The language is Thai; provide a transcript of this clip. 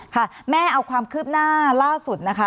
ค่ะแม่เอาความคืบหน้าล่าสุดนะคะ